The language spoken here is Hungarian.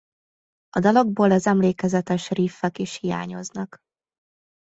A dalokból az emlékezetes riffek is hiányoznak.